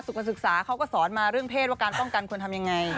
ศึกษาเขาก็สอนมาเรื่องเศษว่าการป้องกันควรทำยังไง